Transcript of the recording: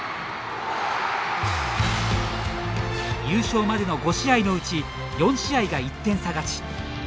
優勝までの５試合のうち４試合が１点差勝ち。